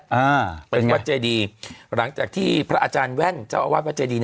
อ่าเป็นวัดเจดีหลังจากที่พระอาจารย์แว่นเจ้าอาวาสวัดเจดี